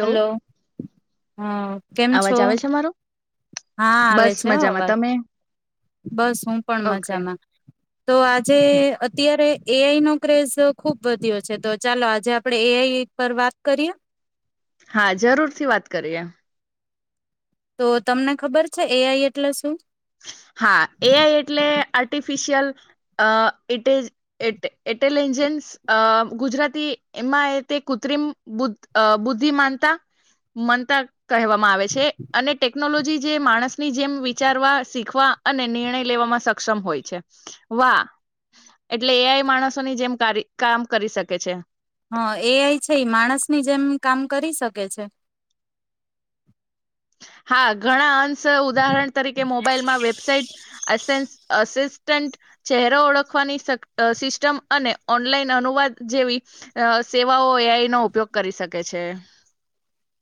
Hello હ કેમ અવાજ છો આવે છે મારો હા આવે બસ છે હો મજામાં અવાજ. તમે બસ હું પણ ઓકે મજામાં તો આજે હમ. અત્યારે એઆઈ નો ક્રેઝ ખુબ વધ્યો છે, તો ચાલો આજે આપડણે એઆઈ પર વાત કરીએ. હા જરૂર થી વાત કરીએ. તો તમને ખબર છે એ આઈ એટલે શું. હા એ આઈ એટલે આર્ટી ફિશિયલ અ એટ ઇન્ટેલિજન્સ એ ગુજરાતી એમાં એ તે કૃત્રિમ બુદ્ધિ માનતા માનતા કહેવામાં આવે છે અને ટેકનોલોજી જે માણસની જેમ વિચારવા શીખવા અને નિર્ણય લેવામાં સક્ષમ હોય છે, વાહ એટલે એઆય માણસોની જેમ કામ કરી શકે છે. હા એ આઈ છે માણસની જેમ કામ કરી શકે છે. હા ઘણા અં સે ઉદાહરણ તરીકે મોબાઈલ માં વેબસાઇટ એસેસ્ટ આસિસ્ટ ચહેરો ઓળખવાની સિસ્ટમ અને ઓનલાઈન અનુવાદ જેવી સેવાઓ એઆઈ નો ઉપયોગ કરી શકે છે.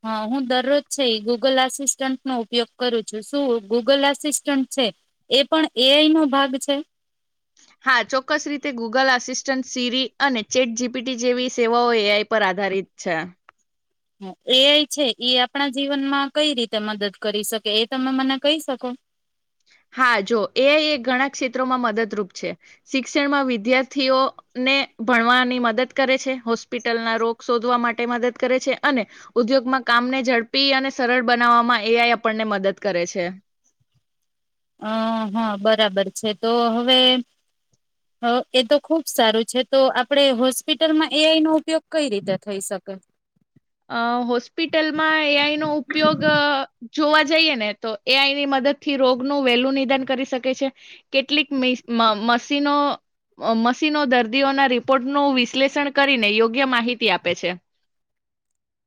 હા હું દરરોજ છે ગૂગલ આસિસ્ટન્ટનો ઉપયોગ કરું છું શું ગૂગલ આસિસ્ટન્ટ છે એ પણ એઆઈ નો ભાગ છે. હા ચોક્કસ રીતે ગૂગલ આસિસ્ટન્ટ સીરી અને ચેટ જીપીટી જેવી સેવાઓ એ આઈ પર આધારિત છે. એઆઈ છે એ આપણા જીવનમાં કઈ રીતે મદદ કરી શકે એ તમે મને કહી શકો. હા જો એઆઈ એ ઘણા ક્ષેત્રોમાં મદદરૂપ છે શિક્ષણમાં વિદ્યાર્થીઓને ભણવાની મદદ કરે છે, હોસ્પિટલના રોગ શોધવા માટે મદદ કરે છે, અને ઉદ્યોગમાં કામને ઝડપી અને સરળ બનાવવામાં એઆઈ આપણને મદદ કરે છે. અ હા બરાબર છે તો હવે એ તો ખુબ સારું છે તો આપણે હોસ્પિટલમાં એઆઈ નો ઉપયોગ કઈ રીતે થઈ શકે. અ હોસ્પિટલમાં એયનો ઉપયોગ જોવા જઈએ ને તો એઆઈની મદદ થી રોગનું વહેલું નિદાન કરી શકે છે, કેટલીક મશીનો મશીનો દર્દીઓના રિપોર્ટનું વિશ્લેષણ કરીને યોગ્ય માહિતી આપે છે.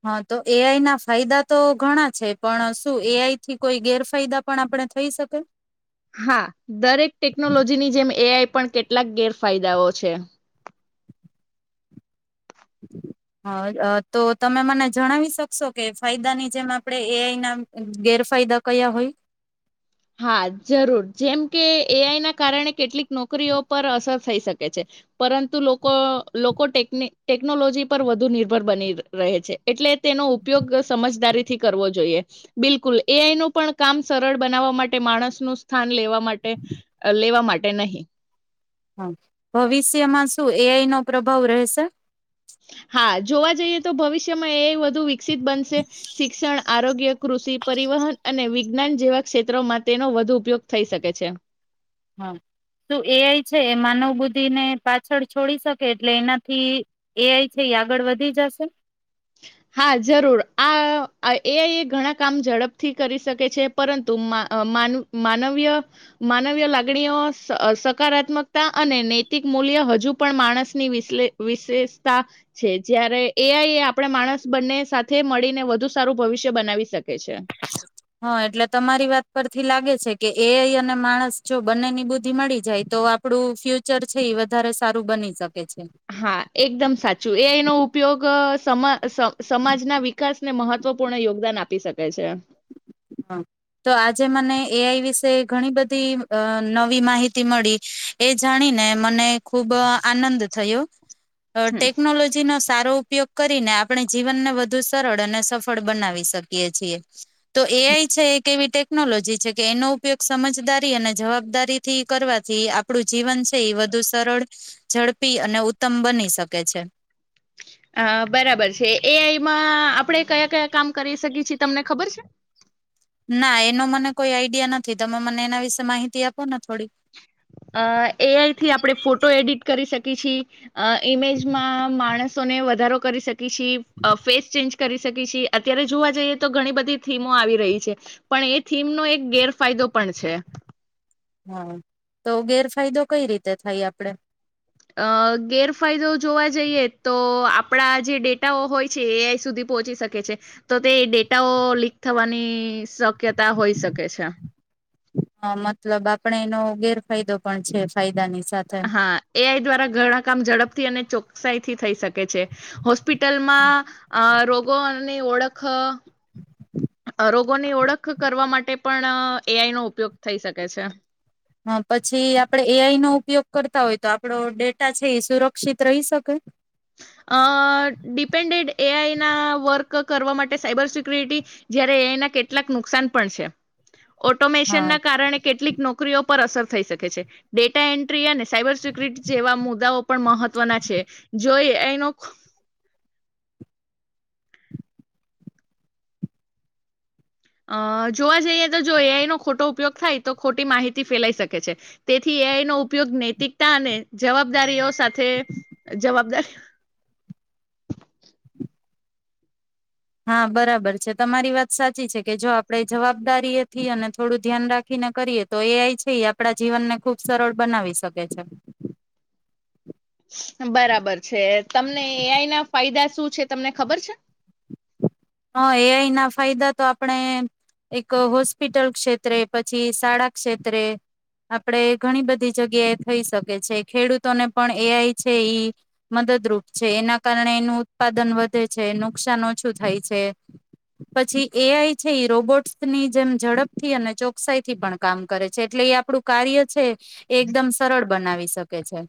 હા તો એઆઈ ના ફાયદા તો ઘણા છે, પણ શું એઆઈથી કોઈ ગેરફાયદા પણ આપણે થઈ શકે. હા દરેક ટેકનોલોજીની જેમ એ આઈ પણ કેટલાક ગેરફાયદાઓ છે. હ તો તમે મને જણાવી શકશો કે ફાયદાની જેમ આપણે એઆઈ ના ગેરફાયદા કયા હોય. હા જરૂર જેમ કે એઆઈ ના કારણે કેટલીક નોકરીઓ પર અસર થઈ શકે છે પરંતુ લોકો લોકોટેક ટેકનોલોજી પર વધુ નિર્ભર બની રહે છે એટલે તેનો ઉપયોગ સમજદારીથી કરવો જોઈએ બિલકુલ એઆઈ ન પણ કામ સરળ બનાવવા મા ટે માણસ નું સ્થાન લેવા માટે લેવા માટે નહીં. હા ભવિષ્યમાં શું એઆઈ નો પ્રભાવ રહેશે. હા જોવા જઈએ તો ભવિષ્યમાં એ વધુ બનશે શિક્ષણ આરોગ્ય કૃષિ પરિવહન અને વિજ્ઞાન જેવા ક્ષેત્રોમાં તેનો વધુ ઉપયોગ થઈ શકે છે. હા શું એઆઈ છે એ માનવ બુદ્ધિ ને પાછળ છોડી શકે એટલે એનાથી એઆઈ છે એ આગળ વધી જશે. હા જરૂર આ એઆઈ એ ઘણા કામ ઝડપથી કરી શકે છે, પરંતુન માનવી માનવીય લાગણીઓ સકારાત્મકતા અને નૈતિક મૂલ્ય હજુ પણ માણસની વિશેષતા છે જ્યારે એઆઈએ આપણે માણસ બંને સાથે મળીને વધુ સારું ભવિષ્ય બનાવી શકે છે. હા એટલે તમારી વાત પરથી લાગે છે કે એ અને માણસ જો બંને ની બુદ્ધિ મળી જાય તો આપડું ફ્યુચર છે એ વધારે સારું બની શ હા એકદમ સાચું એ એનો ઉપયોગ સમાજના વિકાસ ને મહત્વપૂર્ણ યોગદાન આપી શકે છે. હ તો આજે મને એઆઈ વિશે ઘણી બધી નવી માહિતી મળી એ જાણીને મને ખુબ આનંદ થયો. અ હમ ટેકનોલોજી નો સારો ઉપયોગ કરીને આપણે જીવનને વધુ સરળ અને સફળ બનાવી શકીએ છીએ. એઆઈ છે કેવી રીતે ટેકનોલોજી છે કે એનો ઉપયોગ સમજદારી અને જવાબદારીથી કરવાથી આપણું જીવન છે એ વધુ સરળ ઝડપી અને ઉત્તમ બની શકે છે. અ બરાબર છે એ આઈમાં આપણે કયા કયા કામ કરી શકીએ છીએ તમને ખબર છે. ના એનો મને કોઈ આઈડિયા નથી તમે મને એના વિશે માહિતી આપોને અ એઆઈ થી આપડે ફોટો એડિટ કરી શકીએ. કીચી અ ઇમેજ માં માણસ ો ને વધારો કરી શકે ફેસ ચેન્જ કરી શકી છે અત્યારે જોવા જઈએ તો ઘણી બધી થીમો આવી રહી છે પણ એ થીમ નો એક ગેરફાયદો પણ છે. હા તો ગેરફાયદો કઈ રીતે થાય આપડે. અ ગેરફાયદો જોવા જઈએ તો આપણા જે ડેટાઓ હોય છે એઆઈ સુધી પહોંચી શકે છે તો તે ડેટાઓ લીક થવાની શક્યતા હોઈ શકે છે. હ મતલબ આપડે એનો ગેરફાયદો પણ છે ફાયદો હા એ આઈ દ્વારા ઘણા કામ ઝડપથી અને ચોકસાઈ થી થઈ શકે છે હોસ્પિટલમાં અ રોગોની ઓળખ [inaudible] રોગોની ઓળખ કરવા માટે પણ એઆઈ નો ઉપયોગ થઈ શકે છે. હ પછી આપડે એઆઈ નો ઉપયોગ કરતા હોય તો આપડો ડેટા છે એ સુરક્ષિત રહી શકે. અ ડિપેન્ડેડ એઆઈ ના વર્ક કરવા માટે સાયબર સિક્યુરિટી જય્યારે એઆઈના કેટલાક નુકસાન પણ છે. ઓટોમેશન હા ના કારણે કેટલીક નોકરીઓ ઉપર અસર થઈ શકે છે ડેટા એન્ટ્રી અને સાયબર સિક્યુરિટી જેવા મુદ્દાઓ પણ મહત્વના છે. જોઈ એનો અ જોવા જઈએ તો જો એઆઈ નો ખોટો ઉપયોગ થાય તો ખોટી માહિતી ફેલાઈ શકે છે તેથી એઆઈ નો ઉપયોગ નૈતિકતા અને જવાબદારીઓ સાથે જવાબદારી હા બરાબર છે તમારી વાત સાચી છે કે જો આપણેે જવાબદારીઑથી અને થોડું ધ્યાન રાખીને કરીએ તો એ છે એ આપડા જીવનને ખુબ સરળ બનાવી શકે છે. બરાબર છે તમને એઆઈના ફાયદા શું છે તમને ખબર છે. હ એઆઈ ના ફાયદા તો આપણે એક હોસ્પિટલ ક્ષેત્રે પછી શાળા ક્ષેત્રે આપડે ઘણી બધી જગ્યાએ થઈ શકે છે ખેડૂતોને પણ એ આઈ છે મદદરૂપ છે એના કારણે એનું ઉત્પાદન વધે છે નુકસાન ઓછું થાય છે પછી એ આઈ છે એ રોબોટ્સની જેમ ઝડપથી અને ચોકસાઈ થી પણ કામ કરે છે એટલે એ આપણું કાર્ય છે એ એકદમ સરળ બનાવી શકે છે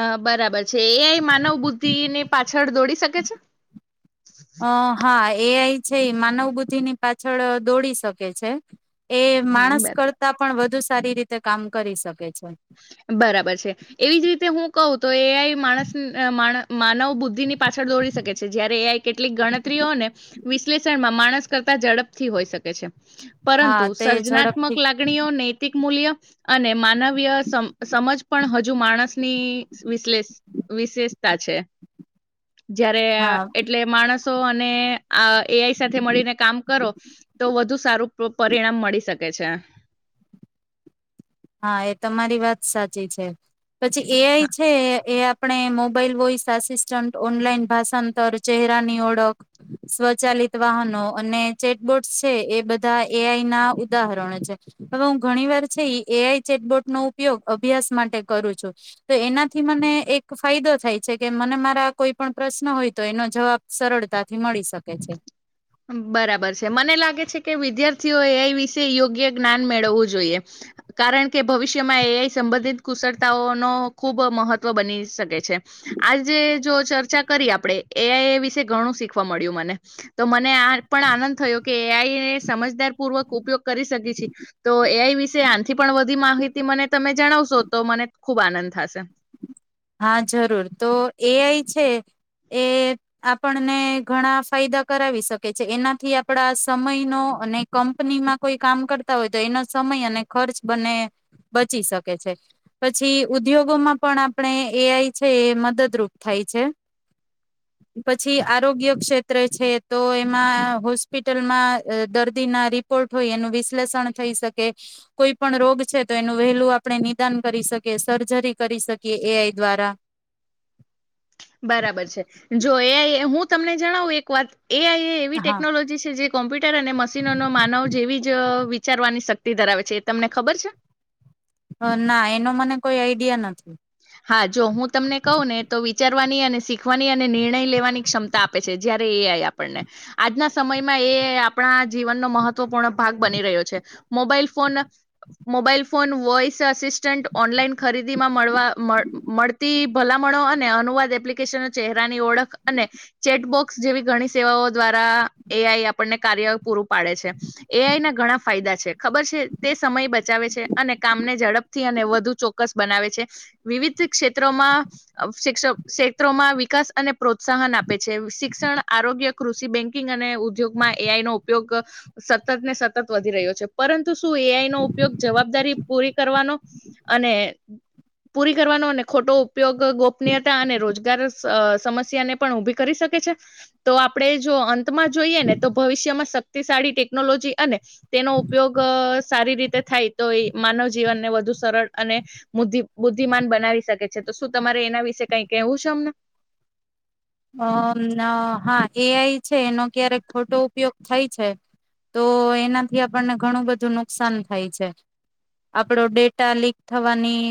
અ બરાબર છે એ આઇ માનવ બુદ્ધિ ને પાછળ દોડી શકે છે અ હા એ આઈ છે માનવ બુદ્ધિ ની પાછળ દોડી શકે છે એ હમ માણસ બરાબર કરતા પણ વધુ સારી રીતે કામ કરી શકે છે બરાબર છે. એવીજ રીતે હું કઉ તો એ આઈ માણસ માણ માનવ બુદ્ધિ ની પાછળ દોડી શકે છે. જયારે એ આઈ કેટલીક ગણતરીઓ ને વિશ્લેષણમાં માણસ કરતાં ઝડપથી હોઈ શકે છે હા પરંતુ તે ઝડપથી સર્જનાત્મક લાગણીઓ નૈતિક મૂલ્ય અને માનવીય સમ સમજ પણ હજુ માણસ ની વિશલેષ વિશેષતા છે. જયારે હા આ એટલે માણસ સો અને આ એઆઈ સાથે મળીને કામ કરો, તો વધુ સારું પો પરિણામ મળી શકે કે છે હા એ તમારી વાત સાચી છે. પછી એઆઈ છે એ આપ આપણે મોબાઈલ વોઈસ આસિસ્ટન્ટ, ઓનલાઈન ભાષાંતર, ચેહરાની ઓળખ, સ્વચાલિત વાહનો અને ચેટબોર્ડ છે. એ બધા એ આઈ ના ઉદાહરણો છે. હવે હું ઘણી વાર છે ઈ એ આઈ ચેટબોટનો ઉપયોગ અભ્યાસ માટે કરું છું. તો એનાથી મને એક ફાયદો થાય છે કે, મને મારા કોઈ પણ પ્રશ્ન હોય તો એનો જવાબ સરળતાથી મળી શ બરાબર છે. મને લાગે છે કે વિદ્યાર્થીઓ એઆઈ વિશે યોગ્ય જ્ઞાન મેળવવું જોઈએ. કારણ કે ભવિષ્યમાં એ આઈ સંબંધિત કુશળતાઓ નો ખૂબ મહત્વ બની શકે છે. આજે જો ચર્ચા કરી આપણે, એઆઈ એ વિશે ઘણું શીખવા મળ્યું મને તો મને આ પણ આનંદ થયો કે એ આઈ ને સમજદાર પૂર્વક ઉપયોગ કરી શકી છે. તો એઆઈ વિશે આનથી પણ વધી માહિત તે મને તમે જણાવશો તો મને ખુબ આનંદ થશે હા જરૂર. તો એઆઈ છે એ આપણને ઘણા ફાયદા કરાવી શકે છે. એનાથી આપડા સમયનો અને કંપનીમાં કોઈ કામ કરતા હોય તો એનો સમય અને ખર્ચ બને બચી શકે છે. પછી ઉદ્યોગોમાં પણ આ આપણે એઆઈ છે એ મદદરૂપ થાય છે. પછી આરોગ્ય ક્ષેત્રે છે તો એમાં હોસ્પિટલમાં દર્દી ના રિપોર્ટ હોય એનું વિશ્લેષણ થઈ શકે, કોઈ પણ રોગ છે તો એનું વહેલું આપણે નિદાન કરી શકીએ, સર્જરી કરી શકીએ કે એઆઈ દ્વારા બરાબર છે જો એઆઈ હું તમને જણાવું એક વાત એઆઈ એ એવી હા ટેકનોલોજી છે જે કોમ્પ્યુટર અને મશીનોનો માનવ જેવીજ અ વિચારવાની શક્તિ ધરાવે છે. એ તમને ખબર છે? અ ના એનો મને કોઈ આઈડિયા નથી. હા જો હું તમને કહું ને તો વિચારવાની, અને શીખવાની, અને નિર્ણય લેવાની ક્ષમતા આપે છે. જયારે એઆઈ આપણને આજના સમયમાં એ આપણા જીવનનો મહત્વપૂર્ણ ભાગ બની રહ્યો છે. Mobile phone mobile phone voice assistant, online ખરીદીમાં મળવા મળ મળતી ભલામણો અને અનુવાદ એપ્લિકેશન ચહેરાની ઓળખ અને ચેટબોક્સ જેવી ઘણી સેવાઓ દ્વારા એઆઈ આપણને કાર્ય પૂરું પાડે છે. એઆઈ ના ઘણા ફાયદા છે. ખબર છે? તે સમય બ ચાવે છે. અને કામને ઝડપ થી અને વધુ ચોક્કસ બનાવે છે. વિવિધ ક્ષેત્રોમાં શિક્ષ ક્ષેત્રોમાં વિકાસ અને પ્રોત્સાહન આપે છે. શિક્ષણ, આરોગ્ય, કૃષિ બેન્ક પૂરી કરવાનો અને ખોટો ઉપયોગ ગોપનીયતા અને રોજગાર સઅ સમસ્યાને પણ ઉઊભી કરી શકે છે. તો આપણે જો અંતમાં જોઈએ ને તો ભવિષ્યમાં શક્તિશાળી ટેકનોલોજી અને તેનો ઉપયોગ સારી રીતે થાય તો એ માનવ જીવનને વધુ સરળ અને મુદ્ધિ બુદ્ધિમાન બનાવી શકે છે. તો શું તમારે એના વિશે કઈ કેવું છે અમને? અમ હા એ આઈ છે, એનો ક્યારેક ખોટો ઉપયોગ થાય છે, તો એનાથી આપણને ઘણું બધું નુકસાન થાય છે. આપડો ડેટા લીક થવાની